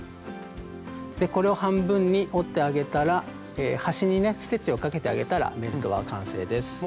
これを半分に折ってあげたら端にねステッチをかけてあげたらベルトは完成です。